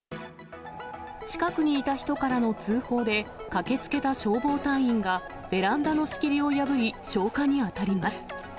近くにいた人からの通報で駆けつけた消防隊員が、ベランダの仕切りを破り、消火に当たります。